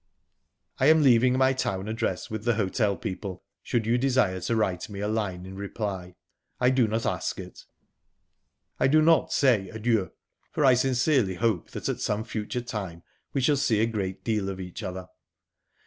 "I am leaving my town address with the hotel people should you desire to write me a line in reply. I do not ask it. "I do not say adieu, for I sincerely hope that at some future time we shall see a great deal of each other.